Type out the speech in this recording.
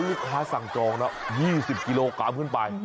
แล้วลูกค้าสั่งจอง๒๐กิโลกรัมขึ้นไป